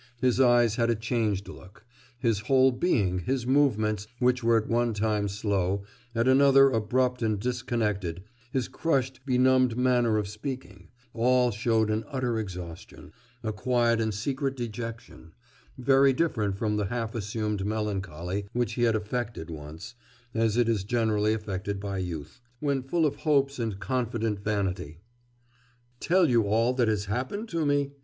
His eyes had a changed look; his whole being, his movements, which were at one time slow, at another abrupt and disconnected, his crushed, benumbed manner of speaking, all showed an utter exhaustion, a quiet and secret dejection, very different from the half assumed melancholy which he had affected once, as it is generally affected by youth, when full of hopes and confident vanity. 'Tell you all that has happened to me?